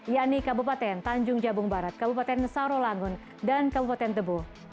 yakni kabupaten tanjung jabung barat kabupaten nesaro langun dan kabupaten tebu